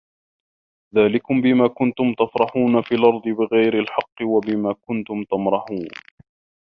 ذلِكُم بِما كُنتُم تَفرَحونَ فِي الأَرضِ بِغَيرِ الحَقِّ وَبِما كُنتُم تَمرَحونَ